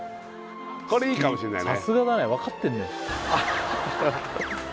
これいいかもしんないね